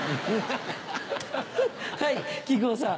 はい木久扇さん。